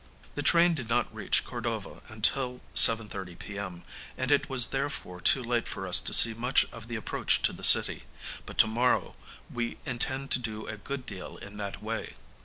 The train did not reach Cordova until 7.30 p.m., and it was therefore too late for us to see much of the approach to the city, but to morrow we intend to do a good deal in that way.